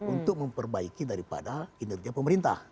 untuk memperbaiki daripada kinerja pemerintah